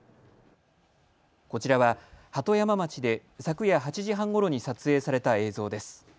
こちらは鳩山町で昨夜８時半ごろに撮影された映像です。